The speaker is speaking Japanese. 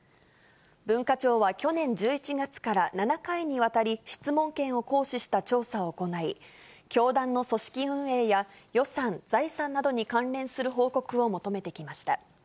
文化庁は去年１１月から７回にわたり、質問権を行使した調査を行い、教団の組織運営や、予算、財産などに関連する報告を求めてきました。